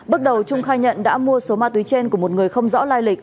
bước đầu trung khai nhận đã mua số ma túy trên của một người không rõ lai lịch